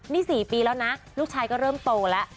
นี่๔ปีแล้วนะลูกชายก็เริ่มโตแล้ว